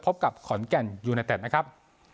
พบกับขอนแก่นนะครับ